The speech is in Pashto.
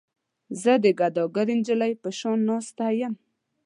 زه د ګداګرې نجلۍ په شان ناسته یم.